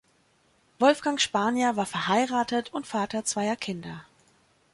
Wolfgang Spanier war verheiratet und Vater zweier Kinder.